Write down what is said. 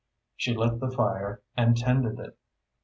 She lit the fire and tended it.